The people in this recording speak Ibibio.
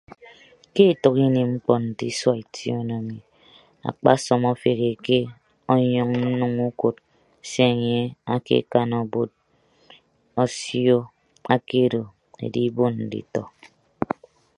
Ke etәk ini mkpọ nte isua ition emi akpasọm afeheke ọnyọñ nnʌñ ukod se enye akekan obod osio akedo edibon nditọ.